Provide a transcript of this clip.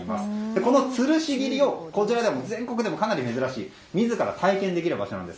このつるし切りを、こちらでは全国でもかなり珍しい自ら体験できる場所なんです。